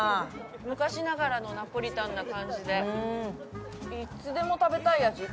昔ながらのナポリタンな感じで、いつでも食べたいやつ。